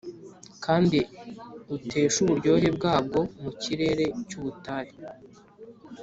kandi uteshe uburyohe bwabwo mukirere cyubutayu.